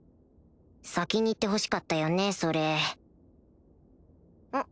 先に言ってほしかったよねそれん？